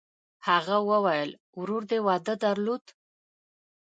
هغه وویل: «ورور دې واده درلود؟»